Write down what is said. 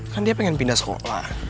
kan dia pengen pindah sekolah